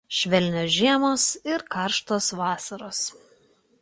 Švelnios žiemos ir karštos vasaros.